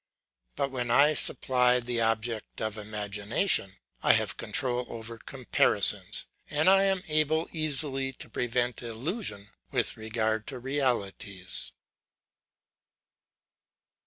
But when I supply the object of imagination, I have control over comparisons, and I am able easily to prevent illusion with regard to realities.